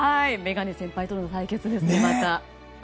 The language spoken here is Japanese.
メガネ先輩との対決です。